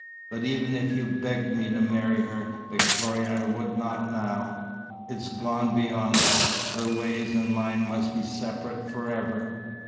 But even if you begged me to marry her, Victoria, I would not now. It's gone beyond that. Her ways and mine must be separate forever."